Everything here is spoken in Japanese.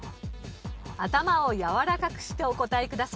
頭をやわらかくしてお答えください。